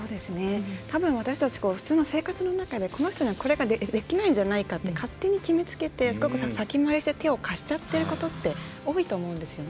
たぶん私たち普通の生活の中でこの人にはこれができないんじゃないかって勝手に決め付けてすごく先回りして手を貸しちゃってることって多いと思うんですよね。